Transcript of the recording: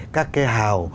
các cái hào